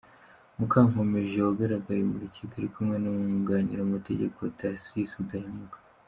Mukankomeje wagaragaye mu rukiko ari kumwe n’umwunganira mu mategeko Tharcisse Udahemuka.